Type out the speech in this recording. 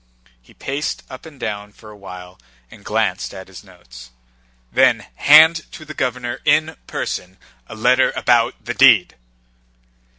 He paced up and down for a while and glanced at his notes. "Then hand to the governor in person a letter about the deed."